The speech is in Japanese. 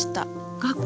学校。